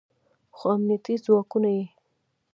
خو امنیتي ځواکونه یې